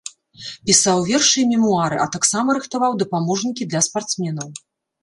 Пісаў вершы і мемуары, а таксама рыхтаваў дапаможнікі для спартсменаў.